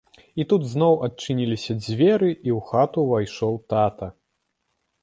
І тут зноў адчыніліся дзверы і ў хату ўвайшоў тата.